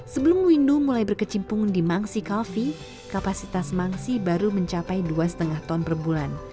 sebelum windu mulai berkecimpung di mangsi coffee kapasitas mangsi baru mencapai dua lima ton per bulan